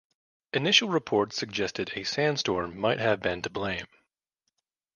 Initial reports suggested a sandstorm might have been to blame.